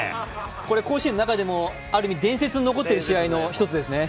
これ、甲子園の中でもある意味、伝説に残っている試合ですね。